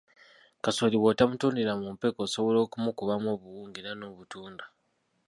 Kasooli bw'otamutundira mu mpeke osobola okumukubamu obuwunga era n'obutunda.